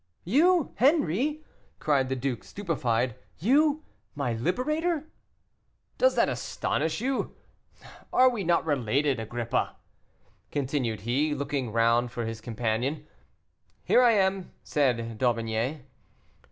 "You! Henri!" cried the duke, stupefied, "you! my liberator?" "Does that astonish you? Are we not related, Agrippa?" continued he, looking round for his companion. "Here I am," said D'Aubigné.